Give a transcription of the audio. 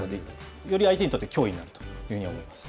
より相手にとって驚異になるというふうに思います。